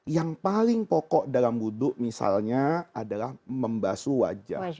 yang paling pokok dalam wudhu misalnya adalah membasu wajah